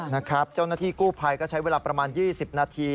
นะครับเจ้าหน้าที่กู้ภัยก็ใช้เวลาประมาณ๒๐นาที